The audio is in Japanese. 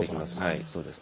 はいそうですね。